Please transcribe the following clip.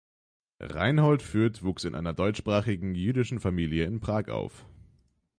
Reinhold Fürth wuchs in einer deutschsprachigen jüdischen Familie in Prag auf.